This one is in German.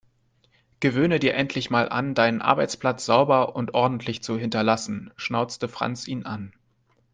"Gewöhne dir endlich mal an, deinen Arbeitsplatz sauber und ordentlich zu hinterlassen", schnauzte Franz ihn an.